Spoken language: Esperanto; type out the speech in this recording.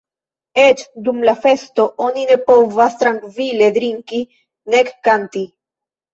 Eĉ dum la festo oni ne povas trankvile drinki, nek kanti.